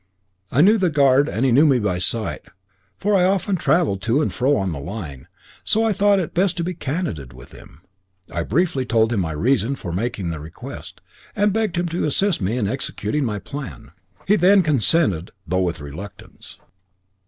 I knew the guard and he knew me by sight, for I often travelled to and fro on the line, so I thought it best to be candid with him. I briefly told him my reason for making the request, and begged him to assist me in executing my plan. He then consented, though with reluctance.